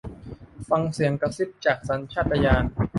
ฟังเสียงกระซิบจากสัญชาตญาณ